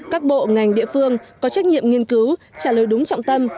các bộ ngành địa phương có trách nhiệm nghiên cứu trả lời đúng trọng tâm